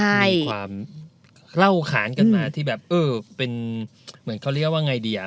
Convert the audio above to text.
มีความเล่าขานกันมาที่แบบเออเป็นเหมือนเขาเรียกว่าไงดีอ่ะ